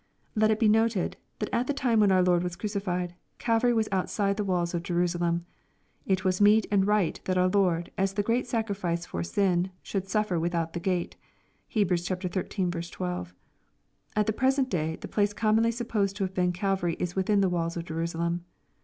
Let it be noted, that at the time when our Lord was crucified. Calvary was outside the walls of Jerusalem. It was meet and right that our Lord, as the great sacrifice for sin, should sufler without tlie gate. (Heb. xiii. 12.) At the present day, the place commonly supposed to have been Calvary is within the walls of Jerusalem.